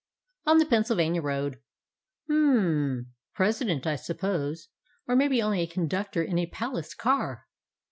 "On the Pennsylvania Road." "Hm! President, I suppose, or maybe only a conductor in a palace car."